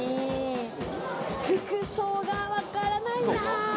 服装がわからないな。